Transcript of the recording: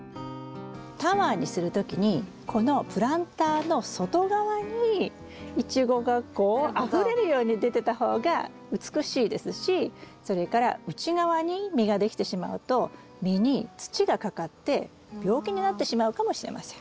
タワーにする時にこのプランターの外側にイチゴがこうあふれるように出てた方が美しいですしそれから内側に実ができてしまうと実に土がかかって病気になってしまうかもしれません。